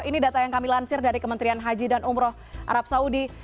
ini data yang kami lansir dari kementerian haji dan umroh arab saudi